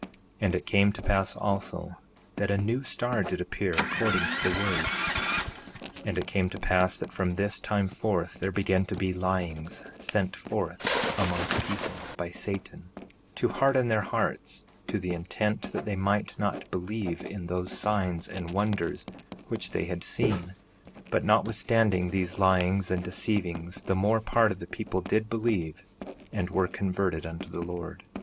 1:21 And it came to pass also that a new star did appear, according to the word. 1:22 And it came to pass that from this time forth there began to be lyings sent forth among the people, by Satan, to harden their hearts, to the intent that they might not believe in those signs and wonders which they had seen; but notwithstanding these lyings and deceivings the more part of the people did believe, and were converted unto the Lord.